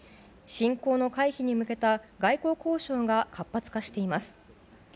侵攻の回避に向けた外交交渉が活発化しています。